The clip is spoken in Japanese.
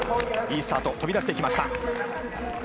いいスタート、飛び出してきました。